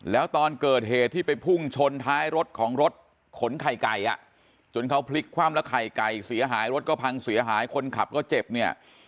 แล้วตอนเกิดเหตุที่ไปพุ่งชนท้ายรถของรถขนไข่ไก่จนเขาพลิกคว่ำแล้วไข่ไก่เสียหายรถก็พังเสียหายคนขับก็เจ็บเนี่ย